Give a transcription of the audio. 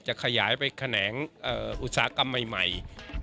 จะขยายไปแขนงอุตสาหกรรมใหม่